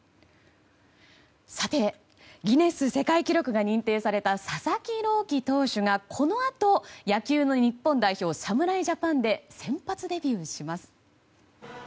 さてギネス世界記録が認定された佐々木朗希投手がこのあと、野球の日本代表侍ジャパンで先発デビューします。